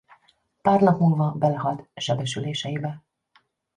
Pár nap múlva belehalt sebesüléseibe.